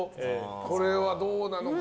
これはどうなのか。